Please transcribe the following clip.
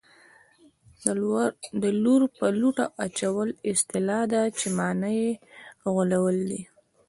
د لور په لوټه اچول اصطلاح ده چې مانا یې غولول دي